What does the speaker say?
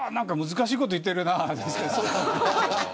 難しいこと言っているな。